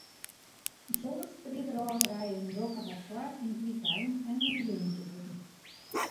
In soad strjitrôverijen dogge har foar yn it wykein en yn de jûnsoeren.